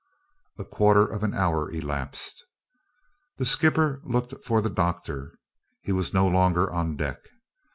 A quarter of an hour elapsed. The skipper looked for the doctor: he was no longer on deck.